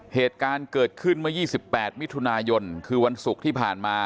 เหตุการณ์เกิดขึ้นเมื่อ๒๘มิถุนายนคือวันศุกร์ที่ผ่านมา